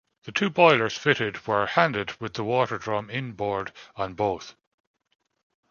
The two boilers fitted were 'handed' with the water drum inboard on both.